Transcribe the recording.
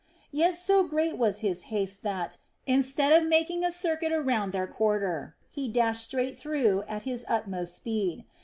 Yet so great was his haste that, instead of making a circuit around their quarter, he dashed straight through it at his utmost speed.